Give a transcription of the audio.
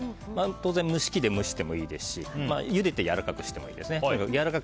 当然蒸し器で蒸してもいいですしゆでてもやわらかくすればいいです。